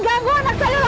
kau selalu ada di sini